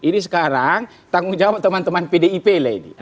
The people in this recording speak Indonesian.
ini sekarang tanggung jawab teman teman pdip lah ini